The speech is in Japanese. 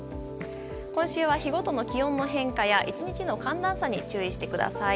今週は日ごとの気温の変化や１日の寒暖差に注意してください。